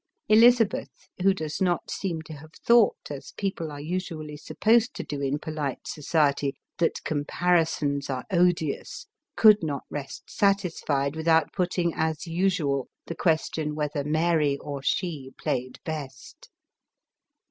Elizabeth, who does not seem to have thought as people are usually supposed to do in polite society, that " comparisons are odious," could not rest satisfied without putting, as usual, the question whether Mary or she played best